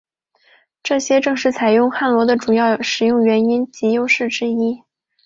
这些正是采用汉罗的主要使用原因及优势之一。